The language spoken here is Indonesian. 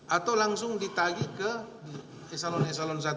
atau langsung ditagi ke s satu